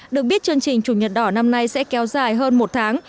được biết chương trình chủ nhật đỏ năm nay sẽ kéo dài hơn một tháng